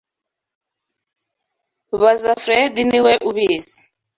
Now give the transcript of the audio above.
Baza Fredy niwe ubizi.